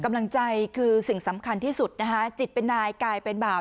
กำลังใจคือสิ่งสำคัญที่สุดนะคะจิตเป็นนายกลายเป็นบ่าว